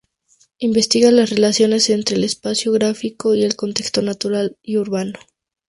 Investiga las relaciones entre el espacio gráfico y el contexto natural y urbano.